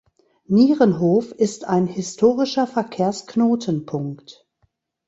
Nierenhof ist ein historischer Verkehrsknotenpunkt.